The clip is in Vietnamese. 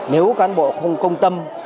nếu cán bộ không công tâm